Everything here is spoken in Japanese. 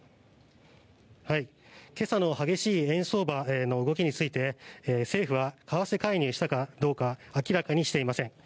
今朝の激しい円相場の動きについて政府は為替介入したかどうか明らかにしていません。